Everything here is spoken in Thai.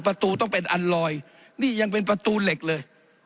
ประตูต้องเป็นอันลอยนี่ยังเป็นประตูเหล็กเลย